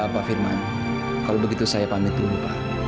pak firman kalau begitu saya pamit dulu pak